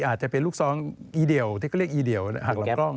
อาจจะเป็นลูกซ้องอีเดี่ยวที่เขาเรียกอีเดี่ยวหักลำกล้อง